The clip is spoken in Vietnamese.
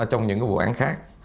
trong những cái vụ án khác